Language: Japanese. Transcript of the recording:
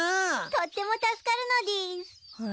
とっても助かるのでぃす。